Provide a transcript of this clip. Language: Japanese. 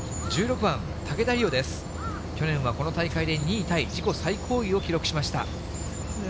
１６番、竹田麗央、去年はこの大会で２位タイ、自己最高位を記録しました。